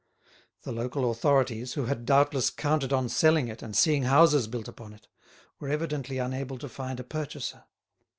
The local authorities, who had doubtless counted on selling it and seeing houses built upon it, were evidently unable to find a purchaser.